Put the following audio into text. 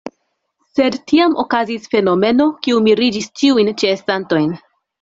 Sed tiam okazis fenomeno, kiu miriĝis ĉiujn ĉeestantojn.